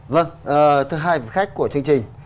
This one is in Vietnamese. vâng thưa hai khách của chương trình